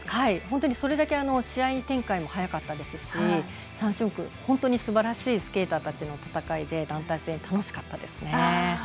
それだけ試合展開も早かったし３種目、本当にすばらしいスケーターたちの戦いで団体戦楽しかったですね。